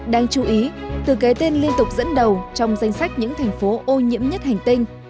đáng chú ý từ kế tên liên tục dẫn đầu trong danh sách những thành phố ô nhiễm nhất hành tinh